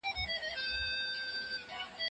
څوک د کلي مشري کوي؟